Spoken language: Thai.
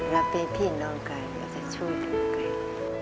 รักเป็นพี่น้องกันและจะช่วยพี่น้องกัน